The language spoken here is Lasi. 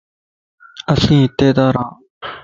اسين ھتي تان ران